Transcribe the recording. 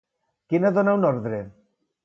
Quina dona una ordre?